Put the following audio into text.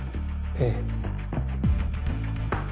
ええ。